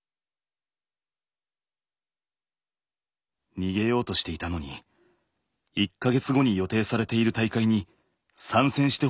逃げようとしていたのに１か月後に予定されている大会に参戦してほしいというのです。